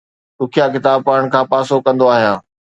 ڏکيا ڪتاب پڙهڻ کان پاسو ڪندو آهيان